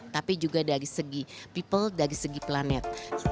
tapi juga dari segi people dari segi planet